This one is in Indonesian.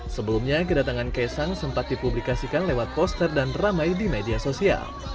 sebelumnya kedatangan kaisang sempat dipublikasikan lewat poster dan ramai di media sosial